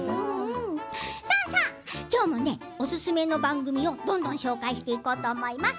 さあさあ今日もおすすめの番組をどんどん紹介していこうと思います。